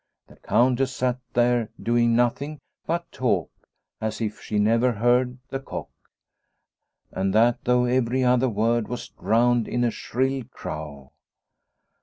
The Countess sat there doing nothing but talk as 1 88 Liliecrona's Home if she never heard the cock, and that though every other word was drowned in a shrill crow.